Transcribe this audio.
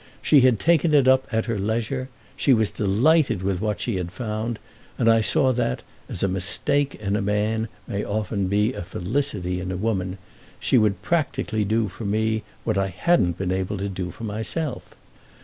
She had taken it up at her leisure; she was delighted with what she had found, and I saw that, as a mistake in a man may often be a felicity in a woman, she would practically do for me what I hadn't been able to do for myself.